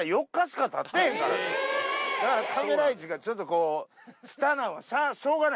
だからカメラ位置がちょっとこう下なんはしょうがないよ。